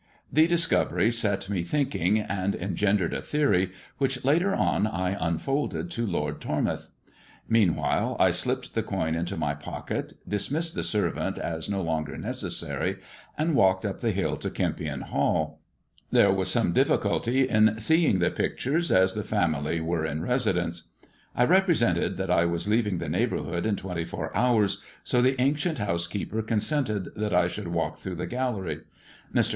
The discovery set me thinking, and engendered a theory which later on I unfolded to Lord Tormouth. Meanwhile I slipped the coin into my pocket, dismissed the servant as no longer necessary, and walked up the hill to Kempion Hall. There was some difficulty in seeing the pictures, as the family were in residence. I represented that I was leaving the neighbourhood in twenty four hours, so the ancient house keeper consented that I should walk through the gallery. Mr.